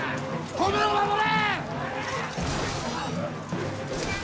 米を守れ！